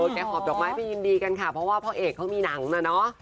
หอบดอกไม้ไปยินดีกันค่ะเพราะว่าพ่อเอกเขามีหนังนะเนาะ